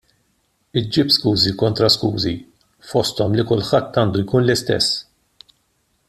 Iġib skużi kontra skużi, fosthom li kulħadd għandu jkun l-istess.